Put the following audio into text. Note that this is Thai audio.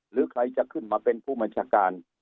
หรือใครจะขึ้นมาเป็นผู้บัญชาการ